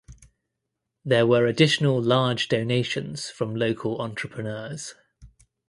There were additional large donations from local entrepreneurs.